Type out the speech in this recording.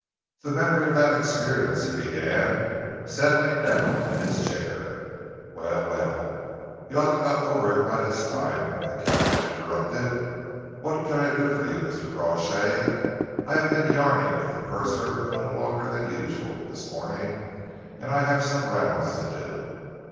"The memory of that experience," he began, settling down in his chair, "Well, well, you ought to have got over that by this time," the captain interrupted. "What can I do for you, Mr. Crawshay? I have been yarning with the purser a little longer than usual, this morning, and I have some rounds to do."